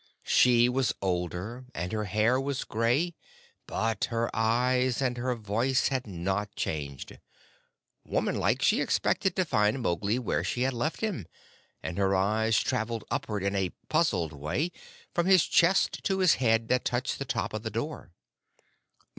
She was older, and her hair was gray, but her eyes and her voice had not changed. Woman like, she expected to find Mowgli where she had left him, and her eyes traveled upward in a puzzled way from his chest to his head, that touched the top of the door.